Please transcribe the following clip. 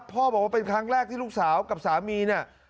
พ่อบอกว่าเป็นครั้งแรกที่ลูกสาวกับสามี